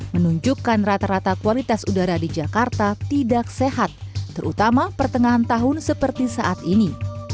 menunjukkan rata rata kualitas udara di jakarta tidak sehat terutama pertengahan tahun seperti saat ini